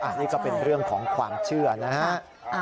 อันนี้ก็เป็นเรื่องของความเชื่อนะฮะ